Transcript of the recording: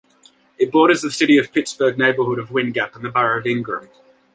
It borders the city of Pittsburgh neighborhood of Windgap and the borough of Ingram.